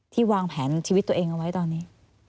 วางแผนชีวิตตัวเองเอาไว้ตอนนี้